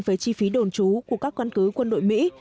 về chi phí đồn trú của các căn cứ quân đội mỹ